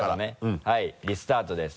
はいリスタートです。